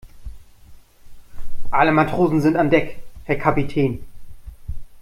Alle Matrosen sind an Deck, Herr Kapitän.